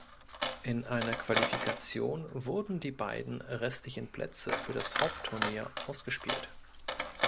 In einer Qualifikation wurden die beiden restlichen Plätze für das Hauptturnier ausgespielt.